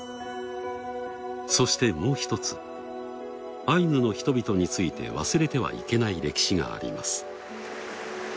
そしてもうひとつアイヌの人々について忘れてはいけない歴史があります。